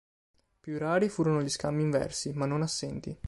Più rari furono gli scambi inversi, ma non assenti.